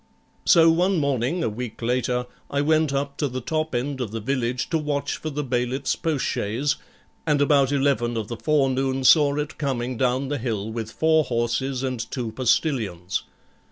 So one morning, a week later, I went up to the top end of the village to watch for the bailiff's postchaise, and about eleven of the forenoon saw it coming down the hill with four horses and two postillions.